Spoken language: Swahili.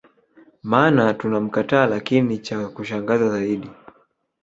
maana tunamkataa Lakini cha kushangaza zaidi